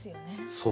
そう。